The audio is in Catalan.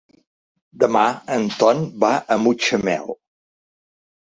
Demà en Ton va a Mutxamel.